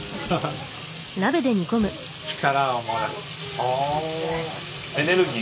あエネルギー？